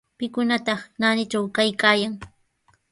¿Pikunataq naanitraw kaykaayan?